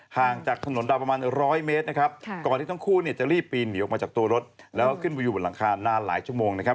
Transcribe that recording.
ห่างจากถนนดาวประมาณร้อยเมตรนะครับก่อนที่ทั้งคู่เนี่ยจะรีบปีนหนีออกมาจากตัวรถแล้วก็ขึ้นไปอยู่บนหลังคานานหลายชั่วโมงนะครับ